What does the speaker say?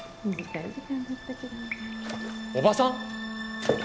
おばさん！？